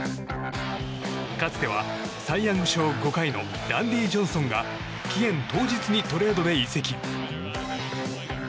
かつてはサイ・ヤング賞５回のランディ・ジョンソンが期限当日にトレードで移籍。